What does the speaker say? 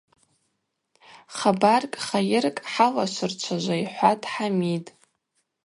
Хабаркӏ-хайыркӏ хӏалашвырчважва, – йхӏватӏ Хӏамид.